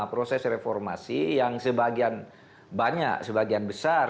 proses reformasi yang sebagian banyak sebagian besar